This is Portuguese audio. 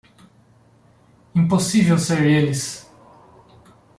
Impossível ser eles